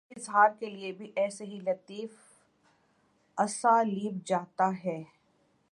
یہ اظہار کے لیے بھی ایسے ہی لطیف اسالیب چاہتا ہے۔